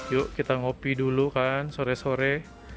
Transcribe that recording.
yuk kita ngopi dulu kan sore sore